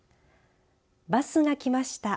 バスが来ました